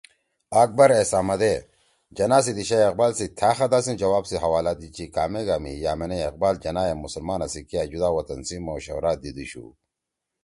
اکبر ایس احمد ئے جناح سی دیِشا اقبال سی تھأ خطَا سی جواب سی حوالہ دیِدچی کامیگا می یأمینے اقبال جناح ئے مسلمانا سی کیا اے جُدا وطن سی مشورہ دیِدی شُو